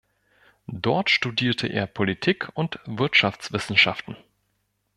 Dort studierte er Politik- und Wirtschaftswissenschaften.